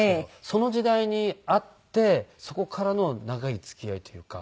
その時代に会ってそこからの長い付き合いというか。